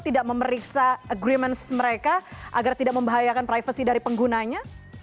tidak memeriksa agreements mereka agar tidak membahayakan privacy dari penggunanya